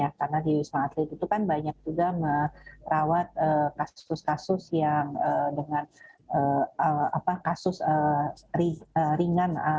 karena di wisma atlet itu kan banyak juga merawat kasus kasus yang dengan kasus ringan